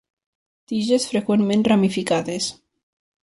Tiges freqüentment ramificades.